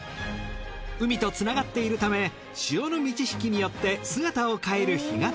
海とつながっているため潮の満ち引きによって姿を変える干潟。